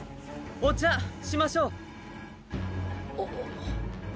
お茶しましょう。